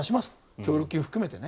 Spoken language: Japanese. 協力金を含めてね。